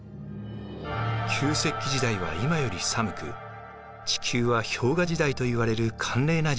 旧石器時代は今より寒く地球は氷河時代といわれる寒冷な時代でした。